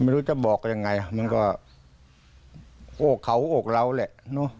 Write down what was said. ไม่รู้จะบอกยังไงมันก็โกรธเขาโกรธเราแหละ